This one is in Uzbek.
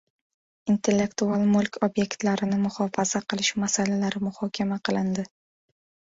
Intellektual mulk ob’ektlarini muhofaza qilish masalalari muhokama qilindi